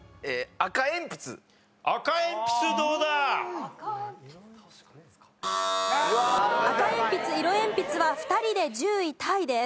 赤鉛筆色鉛筆は２人で１０位タイです。